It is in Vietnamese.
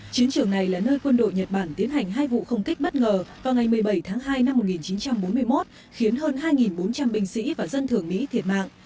chiến trường này là nơi quân đội nhật bản tiến hành hai vụ không kích bất ngờ vào ngày một mươi bảy tháng hai năm một nghìn chín trăm bốn mươi một khiến hơn hai bốn trăm linh binh sĩ và dân thường mỹ thiệt mạng